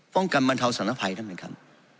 ฟ่องกันบรรเทาสนภัยนะครับ